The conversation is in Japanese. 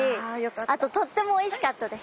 あととってもおいしいかったです。